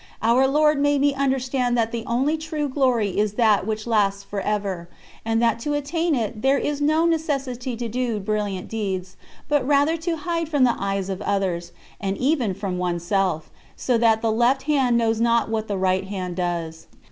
Our Lord made me understand that the only true glory is that which lasts for ever; and that to attain it there is no necessity to do brilliant deeds, but rather to hide from the eyes of others, and even from oneself, so that "the left hand knows not what the right hand does."